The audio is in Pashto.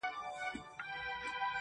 فرمانونه چي خپاره سول په ځنګلو کي.!